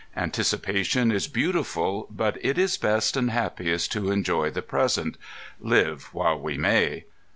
Anticipation is beautiful, but it is best and happiest to enjoy the present. Live while we may!